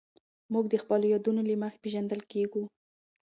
موږ د خپلو یادونو له مخې پېژندل کېږو.